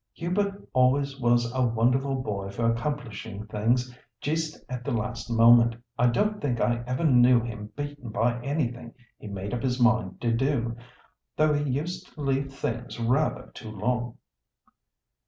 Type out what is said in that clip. "Hubert always was a wonderful boy for accomplishing things just at the last moment. I don't think I ever knew him beaten by anything he made up his mind to do, though he used to leave things rather too long."